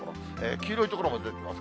黄色い所も出てきます。